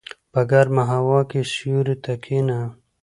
په ګرمه هوا کې سیوري ته کېنه.